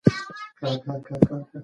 هلک له انا څخه نه ډارېږي.